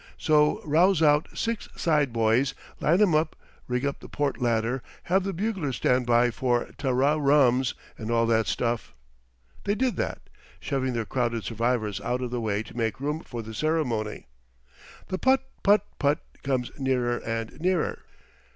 So rouse out six side boys, line 'em up, rig up the port ladder, have the bugler stand by for ta ra rums and all that stuff." They did that, shoving their crowded survivors out of the way to make room for the ceremony. The Putt! putt! putt! comes nearer and nearer.